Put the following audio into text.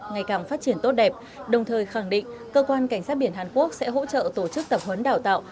ngày càng phát triển tốt đẹp đồng thời khẳng định cơ quan cảnh sát biển hàn quốc sẽ hỗ trợ tổ chức tập huấn đào tạo